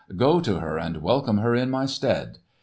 Go to her and welcome her in my stead.